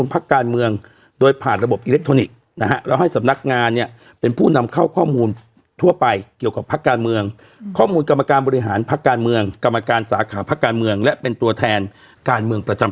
และเป็นตัวแทนการเมืองประจำจังหวัด